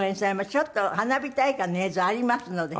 ちょっと花火大会の映像ありますので。